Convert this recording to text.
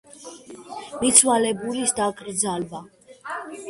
მიცვალებულის დაკრძალვა